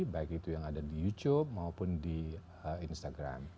baik itu yang ada di youtube maupun di instagram